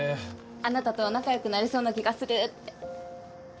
「あなたとは仲良くなれそうな気がする」って。